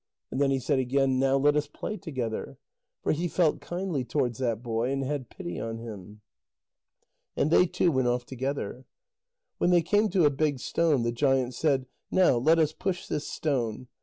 And then he said again: "Now let us play together." For he felt kindly towards that boy, and had pity on him. And they two went off together. When they came to a big stone, the giant said: "Now let us push this stone."